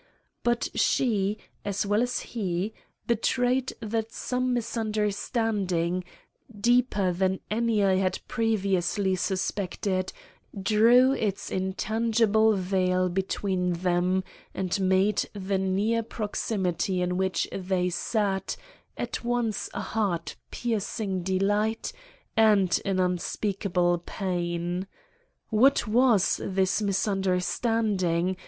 But she, as well as he, betrayed that some misunderstanding, deeper than any I had previously suspected, drew its intangible veil between them and made the near proximity in which they sat, at once a heart piercing delight and an unspeakable pain. What was this misunderstanding?